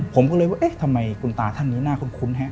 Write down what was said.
ผมก็เลยว่าทำไมกุญตาท่านหนึ่งหน้าคุ้นคุ้นฮะ